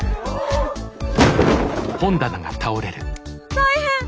大変！